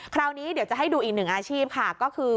คราวนี้เดี๋ยวจะให้ดูอีกหนึ่งอาชีพค่ะก็คือ